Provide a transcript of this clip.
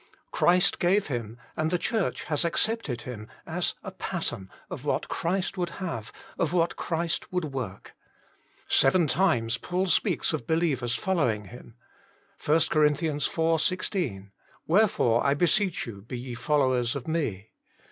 Christ gave him, and the Church has accepted him, as a pattern of what Christ would have, of what Christ would work. Seven times Paul speaks of believers following him : (1 Cor. iv. 16), " Wherefore I beseech you, be ye followers of me"; (xi.